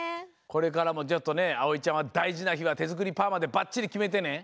これからもちょっとねあおいちゃんはだいじなひはてづくりパーマでバッチリきめてね！